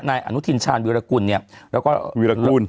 นายอนุทินชาญวิรากุลเนี่ยแล้วก็วิรากูล